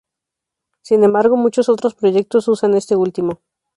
Sin embargo, muchos otros proyectos usan este último.